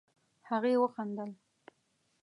هغې وخندل.